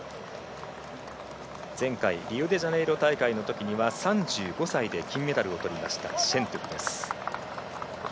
前回リオデジャネイロ大会のときには３５歳で金メダルをとったシェントゥフです。